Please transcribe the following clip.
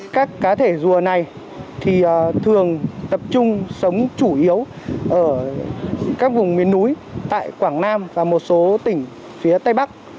các cá thể rùa này thường tập trung sống chủ yếu ở các vùng miền núi tại quảng nam và một số tỉnh phía tây bắc